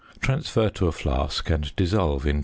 Transfer to a flask and dissolve in 200 c.